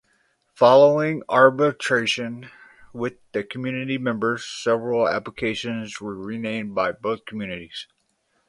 Following arbitration with the community members, several applications were renamed by both communities.